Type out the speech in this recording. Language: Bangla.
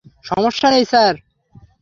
সমস্যা নেই, স্যার।